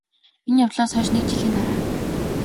энэ явдлаас хойш НЭГ жилийн дараа